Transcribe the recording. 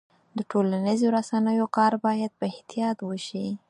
د ټولنیزو رسنیو کار باید په احتیاط وشي.